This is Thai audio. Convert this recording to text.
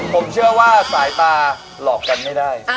ผมเชื่อว่าสายตาหลอกกันไม่ได้